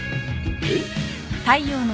えっ？